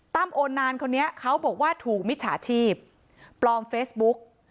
โอนานคนนี้เขาบอกว่าถูกมิจฉาชีพปลอมเฟซบุ๊ก